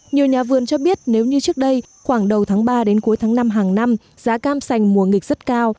nhiều nhà vườn cho biết nếu như trước đây khoảng đầu tháng ba đến cuối tháng năm hàng năm giá cam sành mùa nghịch rất cao